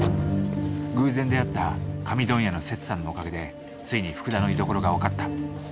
偶然出会った紙問屋のせつさんのおかげでついに福田の居所が分かった。